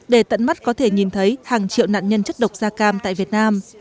để tận mắt có thể nhìn thấy hàng triệu nạn nhân chất độc da cam tại việt nam